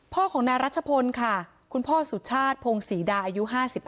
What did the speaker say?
พ่อของนายรัชพลค่ะคุณพ่อสุชาติพงศรีดาอายุ๕๕